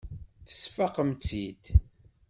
Tesfaqemt-tt-id.